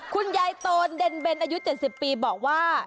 โตนเดนเบนอายุ๗๐ปีบอกว่า